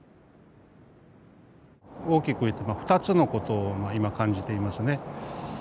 大きく言ってまあ２つのことを今感じていますね。